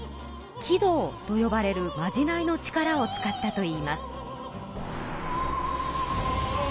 鬼道とよばれるまじないの力を使ったといいます。